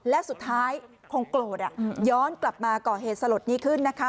และสุดท้ายคงโกรธย้อนกลับมาก่อเหตุสลดนี้ขึ้นนะคะ